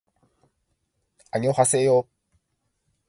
あにょはせよ